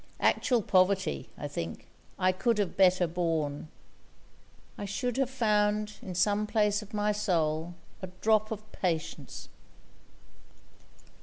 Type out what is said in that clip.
Actual poverty, I think, I could have better borne; 'I should have found, in some place of my soul, A drop of patience!'